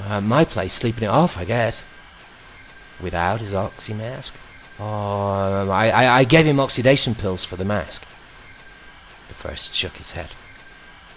"At my place, sleeping it off, I guess." "Without his oxy mask?" "Oh, I gave him my oxidation pills for the mask." The First shook his head.